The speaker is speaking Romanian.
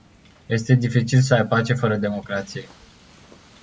Este dificil să ai pace fără democrație.